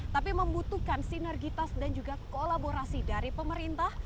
tapi membutuhkan sinergitas dan juga kolaborasi dari pemerintah